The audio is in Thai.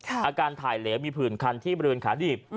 อาการถ่ายเหลวมีผื่นคันที่บริเวณขาดิบ